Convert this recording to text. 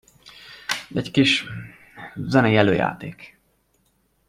Egy kis zenei előjáték.